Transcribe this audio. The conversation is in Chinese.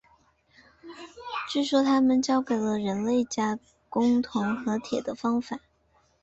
据说他们教给了人类加工铜和铁的方法。